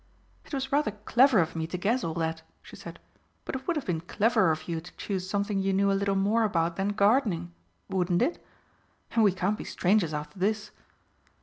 "It was rather clever of me to guess all that," she said. "But it would have been cleverer of you to choose something you knew a little more about than gardening, wouldn't it? And we can't be strangers after this.